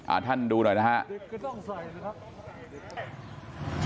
อ่าท่านดูหน่อยนะฮะเด็กก็ต้องใส่นะครับ